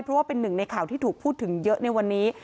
เพราะว่าเป็นหนึ่งในข่าวที่ถูกพูดถึงเยอะในวันนี้